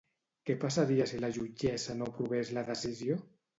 Què passaria si la jutgessa no aprovés la decisió?